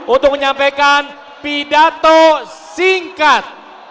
untuk menyampaikan pidato singkat